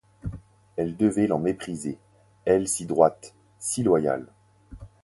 Elle devait l'en mépriser, elle si droite, si loyale.